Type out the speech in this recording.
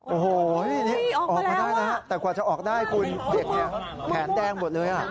โอ้โหออกมาได้แล้วแต่กว่าจะออกได้คุณเด็กแผนแดงหมดเลย